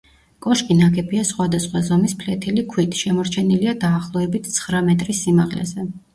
კოშკი ნაგებია სხვადასხვა ზომის ფლეთილი ქვით; შემორჩენილია დაახლოებით ცხრა მეტრის სიმაღლეზე.